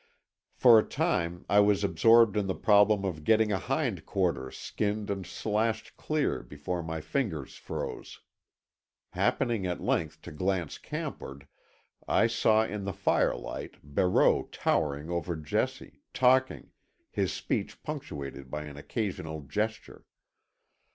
For a time I was absorbed in the problem of getting a hind quarter skinned and slashed clear before my fingers froze. Happening at length to glance campward, I saw in the firelight Barreau towering over Jessie, talking, his speech punctuated by an occasional gesture.